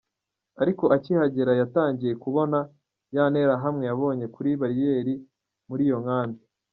Ariko akihagera yatangiye kubona ya nterahamwe yabonye kuri bariyeri muri iyo nkambi.